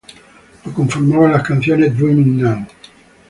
Lo conformaban las canciones Dreaming Now!